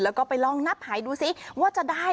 แล้วก็ไปลองนับหายดูซิว่าจะได้